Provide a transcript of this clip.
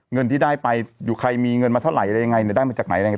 เงินที่ได้ไปอยู่ใครมีเงินมาเท่าไหร่อะไรยังไงเนี่ยได้มาจากไหนอะไรยังไง